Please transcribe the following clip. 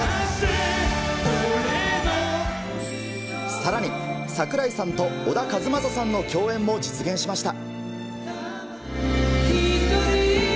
さらに、櫻井さんと小田和正さんの共演も実現しました。